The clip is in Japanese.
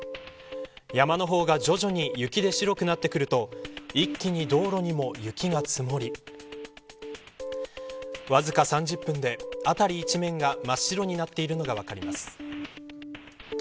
山の方が徐々に雪で白くなってくると一気に道路にも雪が積もりわずか３０分で辺り一面が真っ白になっているのが分かります。